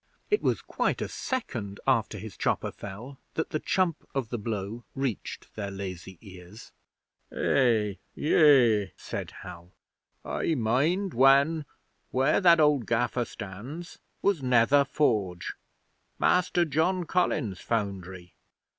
It was quite a second after his chopper fell that the chump of the blow reached their lazy ears. 'Eh yeh!' said Hal. 'I mind when where that old gaffer stands was Nether Forge Master John Collins's foundry.